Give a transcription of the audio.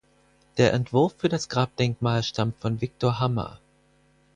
Der Entwurf für das Grabdenkmal stammt von Viktor Hammer.